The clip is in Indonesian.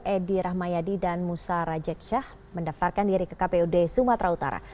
edi rahmayadi dan musa rajeksyah mendaftarkan diri ke kpud sumatera utara